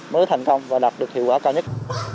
mới thành công và đạt được hiệu quả cao nhất